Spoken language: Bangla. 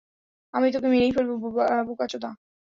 আমি তোকে মেরেই ফেলবো, বোকাচোদা!